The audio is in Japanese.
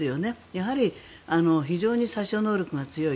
やはり、非常に殺傷能力が強い。